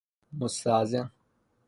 مستعظم